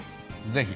ぜひ。